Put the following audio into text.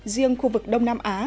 riêng khu vực đông nam á